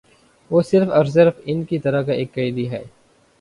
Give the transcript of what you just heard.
وہ صرف اور صرف ان کی طرح کا ایک قیدی ہے ا